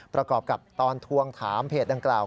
ประกอบกับตอนทวงถามเพจดังกล่าว